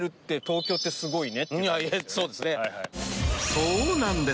そうなんです